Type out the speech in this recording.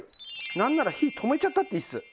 なんなら火止めちゃったっていいです。